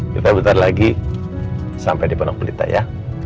kita bertaruh lagi sampai di penang pelita ya